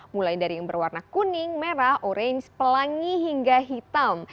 mulai dari yang berwarna kuning merah orange pelangi hingga hitam